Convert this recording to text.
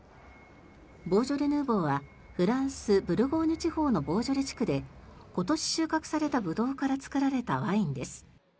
ボージョレ・ヌーボーはフランス・ブルゴーニュ地方のボージョレ地区で今年収穫されたブドウから作られたワインです。